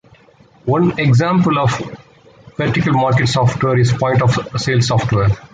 One example of vertical market software is point-of-sale software.